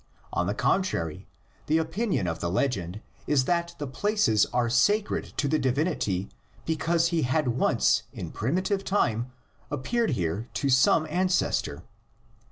On the contrary, the opinion of the legend is that the places are sacred to the divinity because he had once in primitive time appeared here to some an cestor.